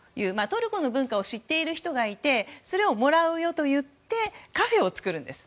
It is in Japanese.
トルコの文化を知っている人がいてそれをもらうよと言ってカフェを作るんです。